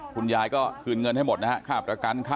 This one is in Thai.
คุณยายก็คืนเงินให้หมดนะครับ